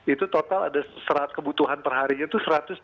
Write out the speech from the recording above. itu total ada serat kebutuhan perharinya itu